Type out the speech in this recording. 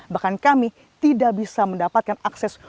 bahkan kami tidak bisa mendapatkan akses